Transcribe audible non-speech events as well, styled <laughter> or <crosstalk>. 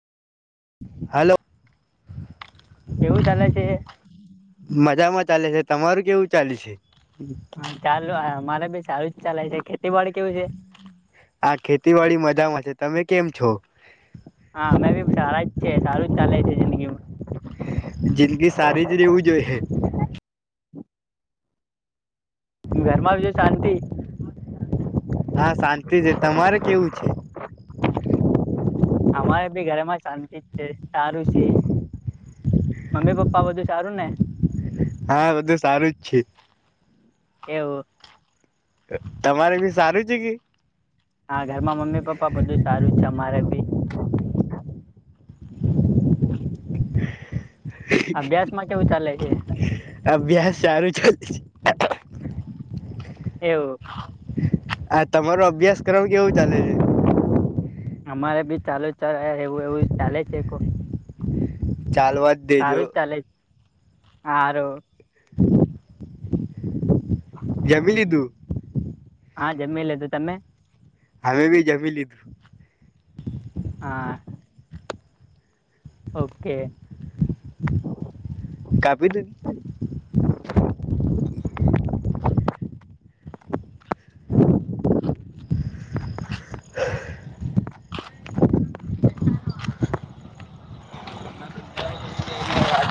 હાલો. કેવું ચાલે છે. મજામાં ચાલે છે, તમારું કેવું ચાલે છે? હા, ચાલુ હે મારે બી સારું જ ચાલે છે, ખેતીવાડી કેવું છે? હા, ખેતીવાડી મજામાં છે. તમે કેમ છો? હા, મેં બી સારા જ. છે, સારું જ ચાલે છે જિંદગીમાં. જિંદગી સારી જ રેવું જોઈએ. ઘરમાં બીજું શાંતિ? હા, શાંતિ છે. તમારે કેવું છે? અમારે બી ઘરમાં શાંતિ જ છે, સારું છે. મમ્મી-પપ્પા બધું સારું ને? હા, બધું સારું જ છે. એવું તમારે બી સારું છે કે? હા, ઘરમાં મમ્મી-પપ્પા બધું સારું છે અમારે બી. અભ્યાસમાં કેવું ચાલે છે? અભ્યાસ સારું ચાલે છે. એવું. અ તમારુ અભ્યાસક્રમ કેવું ચાલે છે? અમારે બી ચાલુ એવું એવું ચાલે છે. ચાલવા જ દેજો સારું જ ચાલે છે આાર <unintelligible> જમી લીધું હા જમી લ હતું તમે? અમે બી જમી લીધું. હા. ઓકે. કાપી દ <inaudible> <inaudible>